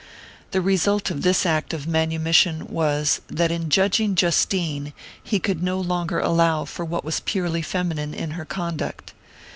The result of this act of manumission was, that in judging Justine he could no longer allow for what was purely feminine in her conduct.